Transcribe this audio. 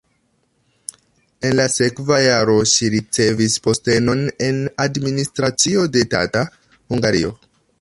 En la sekva jaro ŝi ricevis postenon en administracio de Tata (Hungario).